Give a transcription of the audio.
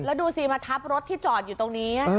แล้วดูสิมาทับรถที่จอดอยู่ตรงนี้